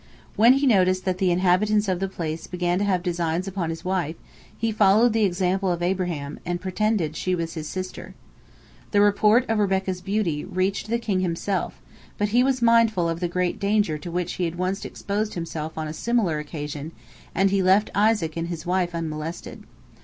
When he noticed that the inhabitants of the place began to have designs upon his wife, he followed the example of Abraham, and pretended she was his sister. The report of Rebekah's beauty reached the king himself, but he was mindful of the great danger to which he had once exposed himself on a similar occasion, and he left Isaac and his wife unmolested.